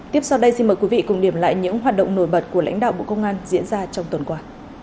tiếp sau đây xin mời quý vị cùng điểm lại những hoạt động nổi bật của lãnh đạo bộ công an diễn ra trong tuần qua